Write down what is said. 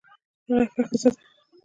هغه ښه ښځه ده